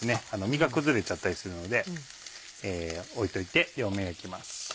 身が崩れちゃったりするので置いておいて両面焼きます。